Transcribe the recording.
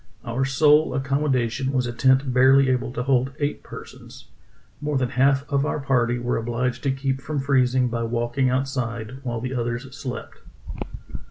Our sole ac commodation was a tent barely able to hold eight per sons; more than half of our party were obliged to keep from freezing by walking outside while the others slept."